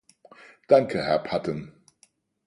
Danke, Herr Patten.